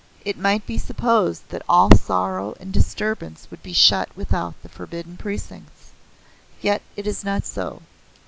"It might be supposed that all sorrow and disturbance would be shut without the Forbidden Precincts. Yet it is not so.